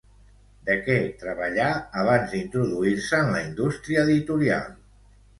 De què treballà abans d'introduir-se en la indústria editorial?